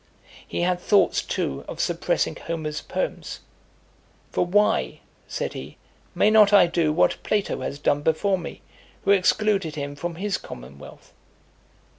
He had thoughts too of suppressing Homer's poems: "For why," said he, "may not I do what Plato has done before me, who excluded him from his commonwealth?"